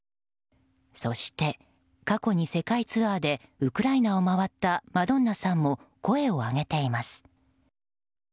そして過去に世界ツアーでウクライナを回ったマドンナさんも声を上げています。